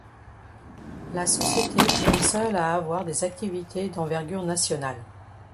La société est la seule à avoir des activités d'envergure nationale.